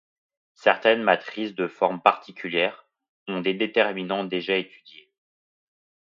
Certaines matrices de forme particulière ont des déterminants déjà étudiés.